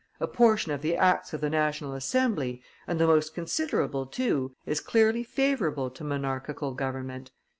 A portion of the acts of the National Assembly, and the most considerable too, is clearly favorable to monarchical government.